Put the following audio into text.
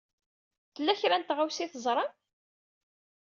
Tella kra n tɣawsa i teẓṛam?